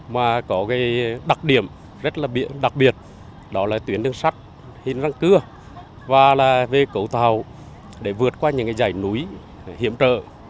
và có đặc điểm rất đặc biệt đó là tuyến đường sắt hình răng cưa và cấu tàu để vượt qua những dãy núi hiểm trợ